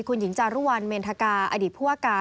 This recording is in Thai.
คุณหญิงจารุวัลเมนธกาอดีตผู้ว่าการ